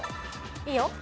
いいよ。